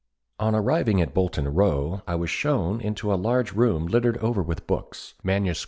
] "On arriving at Bolton Row I was shown into a large room littered over with books, MSS.